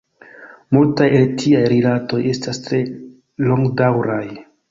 Multaj el tiaj rilatoj estas tre longdaŭraj.